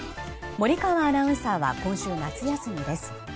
森川アナウンサーは今週、夏休みです。